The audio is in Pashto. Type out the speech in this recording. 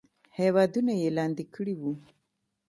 هیوادونه یې لاندې کړي وو.